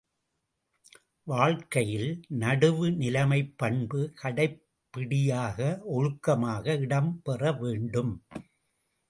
வாழ்க்கையில் நடுவு நிலைமைப் பண்பு கடைப்பிடியாக ஒழுக்கமாக இடம் பெற வேண்டும்.